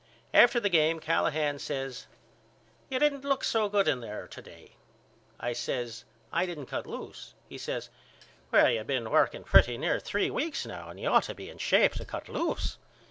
After the game Callahan says You didn't look so good in there to day. I says I didn't cut loose. He says Well you been working pretty near three weeks now and you ought to be in shape to cut loose.